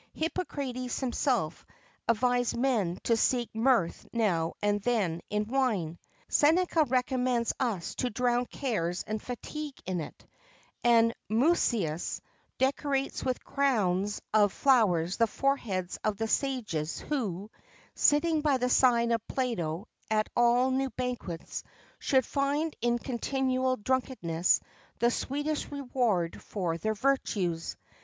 Hippocrates himself, advised men to seek mirth now and then in wine;[XXVII 10] Seneca recommends us to drown cares and fatigue in it;[XXVII 11] and Musæus decorates with crowns of flowers the foreheads of the sages who, sitting by the side of Plato at all new banquets, should find in continual drunkenness the sweetest reward for their virtues.